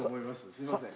すいません。